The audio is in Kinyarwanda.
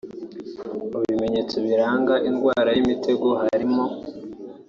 Mu bimenyetso biranga indwara y’imitego harimo